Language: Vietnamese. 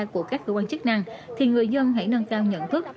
của các cơ quan chức năng thì người dân hãy nâng cao nhận thức